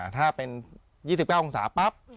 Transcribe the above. ถ้าเป็น๒๙องศาปั๊บ